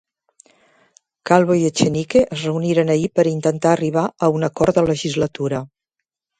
Calvo i Echenique es reuniren ahir per intentar arribar a un acord de legislatura.